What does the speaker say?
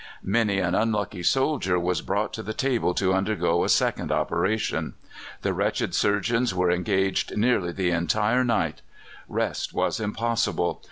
Many an unlucky soldier was brought to the table to undergo a second operation. The wretched surgeons were engaged nearly the entire night. Rest was impossible.